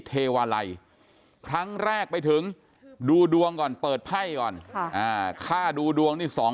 เทวาลัยครั้งแรกไปถึงดูดวงก่อนเปิดไพ่ก่อนค่าดูดวงนี่๒๐๐